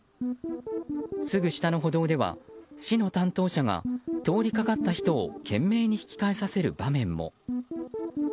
すぐ下の歩道では市の担当者が通りかかった人を懸命に引き返させる場面も。